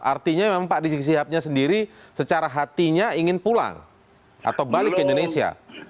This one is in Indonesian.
artinya memang pak rizik sihabnya sendiri secara hatinya ingin pulang atau balik ke indonesia